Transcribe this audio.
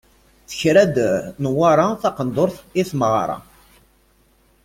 Tekra-d Newwara taqendurt i tmeɣra.